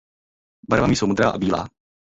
Barvami jsou modrá a bílá.